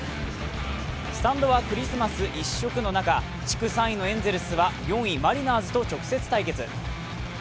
スタンドはクリスマス一色の中、地区３位のエンゼルスは４位マリナーズと直接対決。